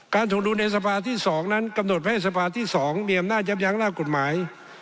ถวงดุลในสภาที่๒นั้นกำหนดไว้ให้สภาที่๒มีอำนาจยับยั้งร่างกฎหมาย